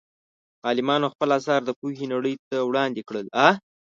عالمانو خپل اثار د پوهې نړۍ ته وړاندې کړل.